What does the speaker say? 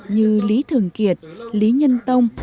như lý thường kiệt lý nhân tông